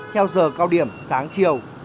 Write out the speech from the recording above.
theo giờ cao điểm sáng chiều